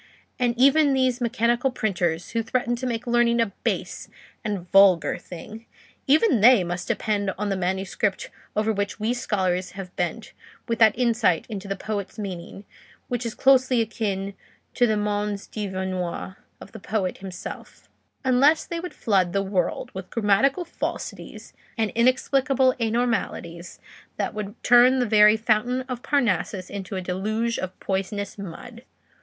And even these mechanical printers who threaten to make learning a base and vulgar thing—even they must depend on the manuscript over which we scholars have bent with that insight into the poet's meaning which is closely akin to the mens divinior of the poet himself; unless they would flood the world with grammatical falsities and inexplicable anomalies that would turn the very fountain of Parnassus into a deluge of poisonous mud.